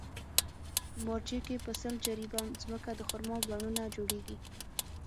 په مارجې کې په سل جریبه ځمکه د خرما پڼونه جوړېږي.